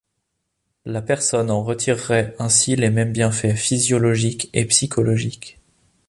La personne en retirerait ainsi les mêmes bienfaits physiologiques et psychologiques.